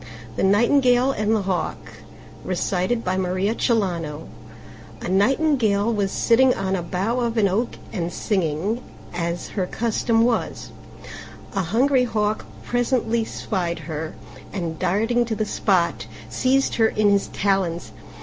THE NIGHTINGALE AND THE HAWK A Nightingale was sitting on a bough of an oak and singing, as her custom was. A hungry Hawk presently spied her, and darting to the spot seized her in his talons.